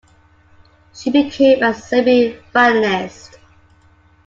She became a semi-finalist.